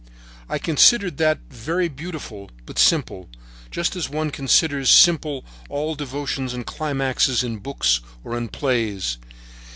I considered that very beautiful, but simple, just as one, considers simple all devotions and climaxes in books or in plays.